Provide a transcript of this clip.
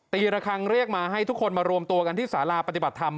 ระคังเรียกมาให้ทุกคนมารวมตัวกันที่สาราปฏิบัติธรรม